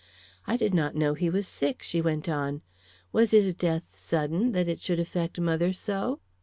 "I did not know he was sick," she went on. "Was his death sudden, that it should affect mother so?"